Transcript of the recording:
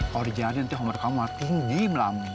kalau dijalankan nanti humor kamu akan tinggi melambung